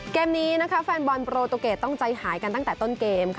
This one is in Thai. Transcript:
เกมนี้แฟนบอลโปรตูเกตต้องใจหายกันตั้งแต่ต้นเกม